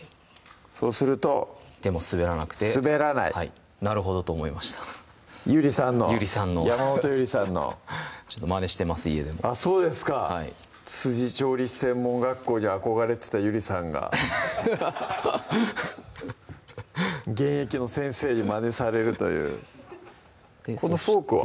そうすると手も滑らなくて滑らないなるほどと思いましたゆりさんの山本ゆりさんのマネしてます家でもあっそうですか調理師専門学校に憧れてたゆりさんが現役の先生にマネされるというこのフォークは？